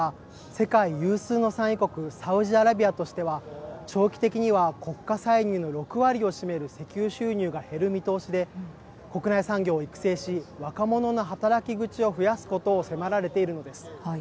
世界有数の産油国サウジアラビアとしては長期的には国家歳入の６割を占める石油収入が減る見通しで国内産業を育成し若者の働き口を増やすことを迫られているのです。